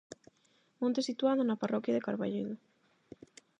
Monte situado na parroquia de Carballedo.